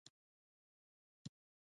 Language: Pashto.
آیا په مرکز کې دښتې نه دي؟